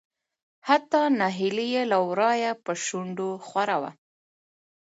حتا نهيلي له ورايه په شنډو خوره وه .